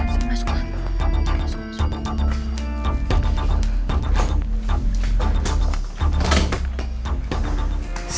masuklah di situ entes